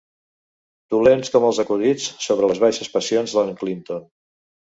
Dolents com els acudits sobre les baixes passions d'en Clinton.